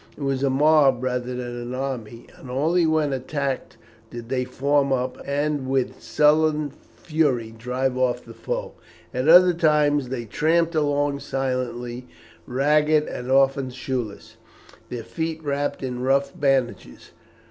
It was a mob rather than an army, and only when attacked did they form up, and with sullen fury drive off the foe. At other times they tramped along silently, ragged, and often shoeless, their feet wrapped in rough bandages.